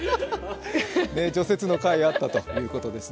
除雪のかいあったということですね。